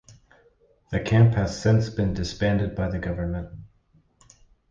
The camp has since been disbanded by the government.